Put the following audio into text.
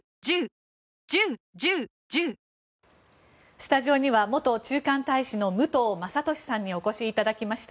スタジオには元駐韓大使の武藤正敏さんにお越しいただきました。